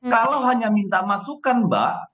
kalau hanya minta masukan mbak